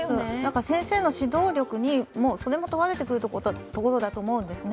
先生の指導力もそれも問われてくるところだと思うんですね。